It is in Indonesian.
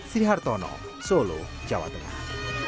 sri hartono solo jawa tengah